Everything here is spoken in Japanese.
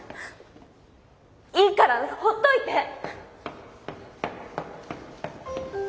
いいからほっといて！